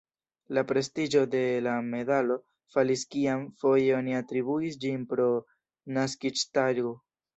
La prestiĝo de la medalo falis kiam foje oni atribuis ĝin pro naskiĝtago.